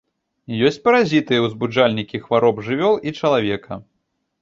Ёсць паразіты, узбуджальнікі хвароб жывёл і чалавека.